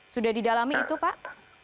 sudah didalami itu pak